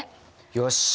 よし。